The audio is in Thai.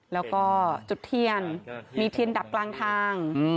แล้วก็จุดเทียนมีเทียนดับกลางทาง